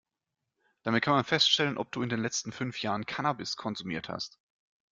Damit kann man festzustellen, ob du in den letzten fünf Jahren Cannabis konsumiert hast.